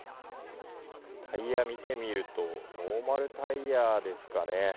タイヤを見てみるとノーマルタイヤですかね。